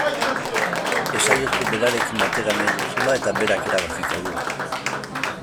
Esaiozu berarekin atera nahi duzula eta berak erabakiko du.